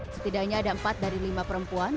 setidaknya ada empat dari lima perempuan